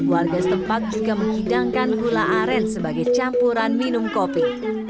warga setempat juga menghidangkan gula aren sebagai campuran minum kopi